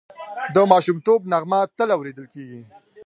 د ماشومتوب نغمه تل اورېدل کېږي